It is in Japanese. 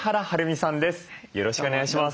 よろしくお願いします。